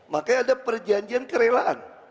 makanya ada perjanjian kerelaan